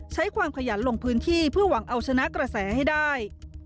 ใช้ความขยันลงพื้นที่เพื่อหวังเอาชนะกระแสให้ได้